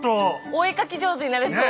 お絵描き上手になれそう。